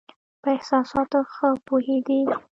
په احساساتو ښه پوهېدی.